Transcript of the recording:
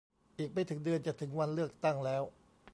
อีกไม่ถึงเดือนจะถึงวันเลือกตั้งแล้ว !